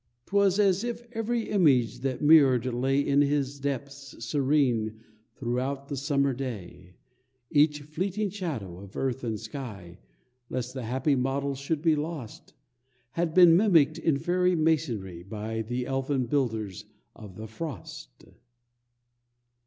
'Twas as if every image that mirrored lay In his depths serene through the summer day, Each fleeting shadow of earth and sky, Lest the happy model should be lost, Had been mimicked in fairy masonry By the elfin builders of the frost.